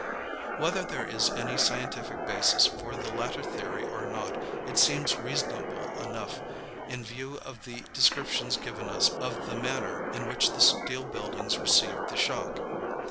Whether there is any scientific basis for the latter theory or not, it seems reasonable enough, in view of the descriptions given us of the manner in which the steel buildings received the shock.